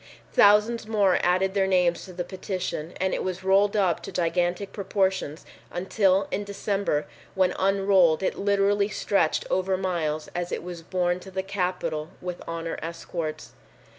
Thousands more added their names to the petition and it was rolled up to gigantic proportions until in December when unrolled it literally stretched over miles as it was borne to the Capitol with honor escorts.